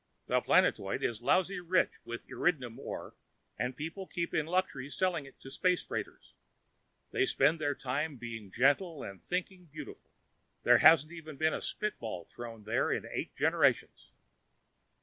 The planetoid is lousy rich with erydnium ore and the people keep in luxury selling it to space freighters. They spend their time being gentle and thinking beautiful. There hasn't even been a spitball thrown there in eight generations.